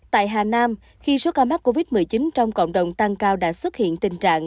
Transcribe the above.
tại hà nam khi số ca mắc covid một mươi chín trong cộng đồng tăng cao đã xuất hiện tình trạng